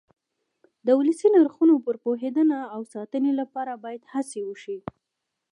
د ولسي نرخونو پر پوهېدنه او ساتنې لپاره باید هڅې وشي.